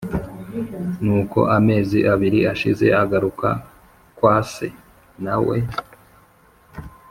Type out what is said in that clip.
Nuko amezi abiri ashize agaruka kwa se na we